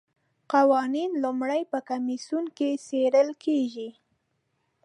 قوانین لومړی په کمیسیون کې څیړل کیږي.